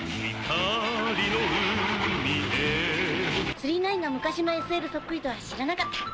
９９９が昔のＳＬそっくりとは知らなかった。